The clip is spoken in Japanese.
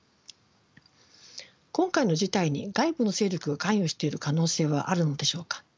今回の事態に外部の勢力が関与している可能生はあるのでしょうか。